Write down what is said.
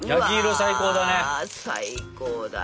最高だよ！